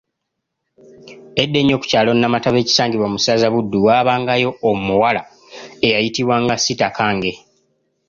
Edda ennyo ku kyalo Namataba ekisangibwa mu ssaza Buddu waabangayo omuwala eyayitibwanga Sitakange.